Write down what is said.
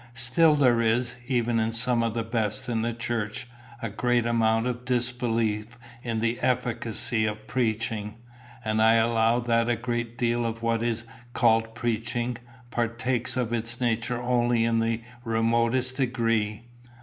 Still there is, even in some of the best in the church, a great amount of disbelief in the efficacy of preaching. And I allow that a great deal of what is called preaching, partakes of its nature only in the remotest degree.